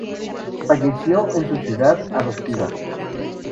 Falleció en su ciudad adoptiva.